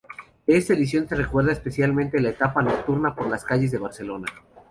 De esta edición se recuerda especialmente la etapa nocturna por las calles de Barcelona.